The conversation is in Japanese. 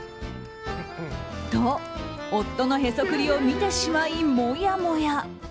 と、夫のへそくりを見てしまいもやもや。